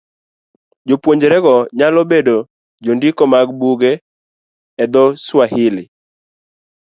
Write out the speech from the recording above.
Jopuonjrego nyalo bedo jondiko mag buge e dho - Swahili.